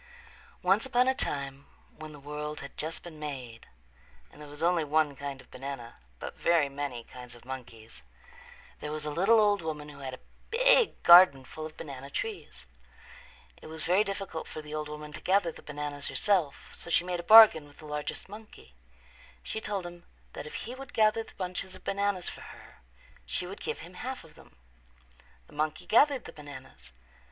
Once upon a time when the world had just been made and there was only one kind of banana, but very many kinds of monkeys, there was a little old woman who had a big garden full of banana trees. It was very difficult for the old woman to gather the bananas herself, so she made a bargain with the largest monkey. She told him that if he would gather the bunches of bananas for her she would give him half of them. The monkey gathered the bananas.